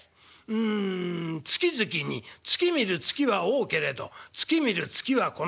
うん『月々に月見る月は多けれど月見る月はこの月の月』」。